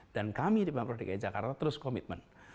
dan kami di bank produk dki jakarta terus komitmen